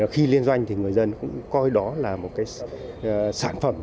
khi liên doanh thì người dân cũng coi đó là một cái sản phẩm